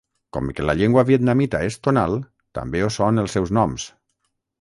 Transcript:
Com que la llengua vietnamita és tonal, també ho són els seus noms.